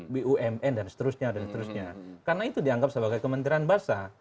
bumn dan seterusnya dan seterusnya karena itu dianggap sebagai kementerian basah